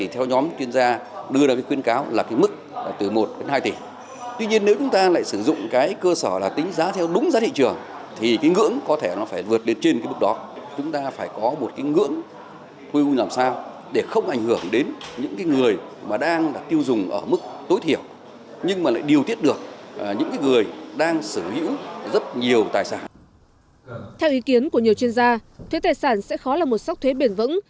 theo ý kiến của nhiều chuyên gia thuế tài sản sẽ khó là một sóc thuế bền vững